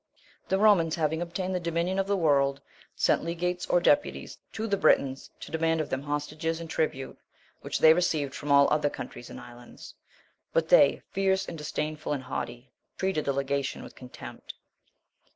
19.* The Romans, having obtained the dominion of the world, sent legates or deputies to the Britons to demand of them hostages and tribute, which they received from all other countries and islands; but they, fierce, disdainful, and haughty, treated the legation with contempt.